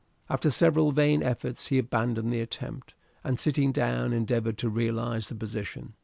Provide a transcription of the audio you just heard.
After several vain efforts he abandoned the attempt, and sitting down endeavoured to realize the position.